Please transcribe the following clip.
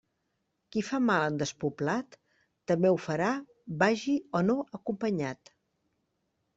Qui fa mal en despoblat, també ho farà vagi o no acompanyat.